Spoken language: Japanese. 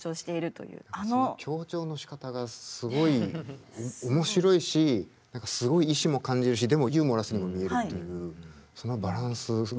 強調のしかたがすごい面白いし何かすごい意志も感じるしでもユーモラスにも見えるというそのバランスがすごいですよね。